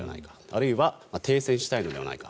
あるいは停戦したいのではないか。